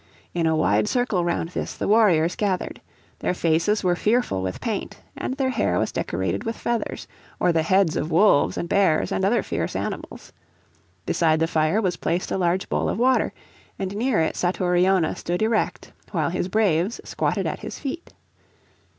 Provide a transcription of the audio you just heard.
In a wide circle round this the warriors gathered. Their faces were fearful with paint, and their hair was decorated with feathers, or the heads of wolves and bears and other fierce animals. Beside the fire was placed a large bowl of water, and near it Satouriona stood erect, while his braves squatted at his feet.